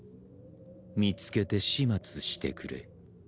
見つけて始末してくれ。